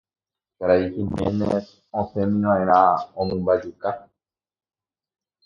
Karai Giménez osẽmiva'erã omymbajuka.